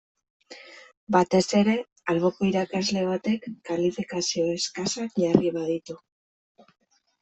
Batez ere alboko irakasle batek kalifikazio eskasak jarri baditu.